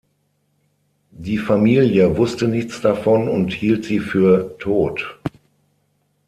Die Familie wusste nichts davon und hielt sie für tot.